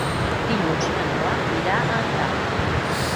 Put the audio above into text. Dilluns na Noa irà a Artà.